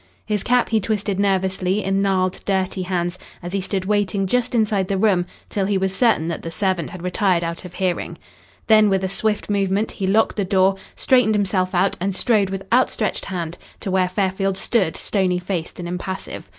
His cap he twisted nervously in gnarled, dirty hands as he stood waiting just inside the room till he was certain that the servant had retired out of hearing. Then, with a swift movement, he locked the door, straightened himself out, and strode with outstretched hand to where Fairfield stood, stony faced and impassive.